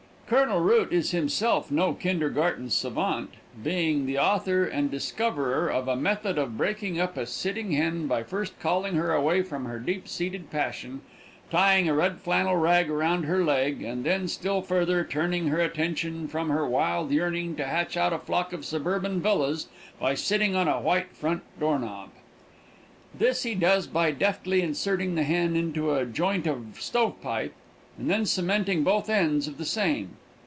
Colonel Root is himself no kindergarten savant, being the author and discoverer of a method of breaking up a sitting hen by first calling her away from her deep seated passion, tying a red flannel rag around her leg, and then still further turning her attention from her wild yearning to hatch out a flock of suburban villas by sitting on a white front door knob. This he does by deftly inserting the hen into a joint of stove pipe and then cementing both ends of the same.